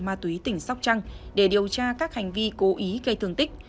ma túy tỉnh sóc trăng để điều tra các hành vi cố ý gây thương tích